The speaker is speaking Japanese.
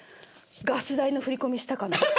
「ガス代の振り込みしたかな？！」。